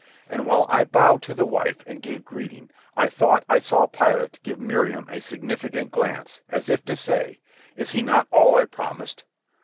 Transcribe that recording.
And while I bowed to the wife and gave greeting, I thought I saw Pilate give Miriam a significant glance, as if to say, "Is he not all I promised?"